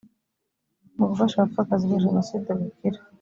mu gufasha abapfakazi ba jenoside gukira